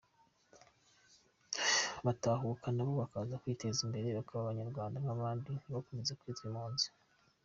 Batahuka nabo bakaza bakiteza imbere bakaba abanyarwanda nk'abandi ntibakomeze kwita impunzi.